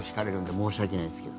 申し訳ないですけど。